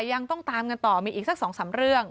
ยังต้องตามกันต่อมีอีกสัก๒๓เรื่อง